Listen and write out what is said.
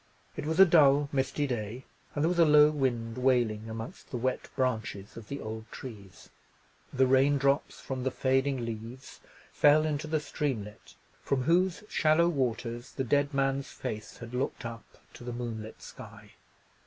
It was a dull misty day, and there was a low wind wailing amongst the wet branches of the old trees. The rain drops from the fading leaves fell into the streamlet, from whose shallow waters the dead man's face had looked up to the moonlit sky.